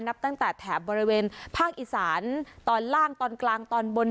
นับตั้งแต่แถบบริเวณภาคอีสานตอนล่างตอนกลางตอนบน